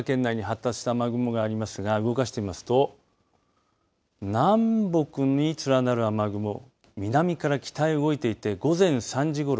福島県内に発達した雨雲がありますが動かしてみますと南北に連なる雨雲、南から北へ動いていて午前３時ごろ